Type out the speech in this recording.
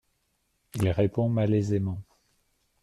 Il répond malaisément.